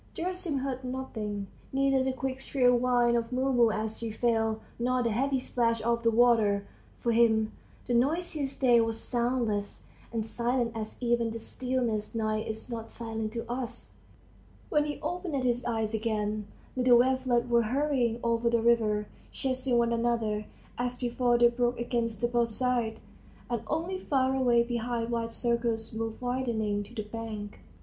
... Gerasim heard nothing, neither the quick shrill whine of Mumu as she fell, nor the heavy splash of the water; for him the noisiest day was soundless and silent as even the stillest night is not silent to us. When he opened his eyes again, little wavelets were hurrying over the river, chasing one another; as before they broke against the boat's side, and only far away behind wide circles moved widening to the bank.